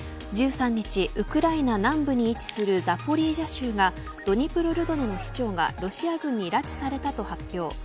１３日、ウクライナ南部に位置するザポリージャ州がドニプロルドネの市長がロシア軍に拉致されたと発表。